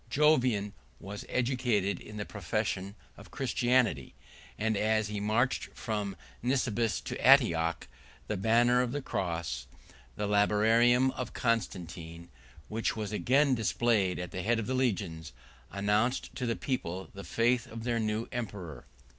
Jovian was educated in the profession of Christianity; and as he marched from Nisibis to Antioch, the banner of the Cross, the Labarum of Constantine, which was again displayed at the head of the legions, announced to the people the faith of their new emperor.